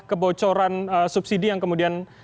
kebocoran subsidi yang kemudian